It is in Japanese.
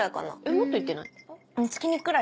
もっと行ってない？